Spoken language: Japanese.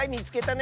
ね！